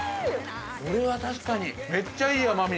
◆これは確かに、めっちゃいい甘み。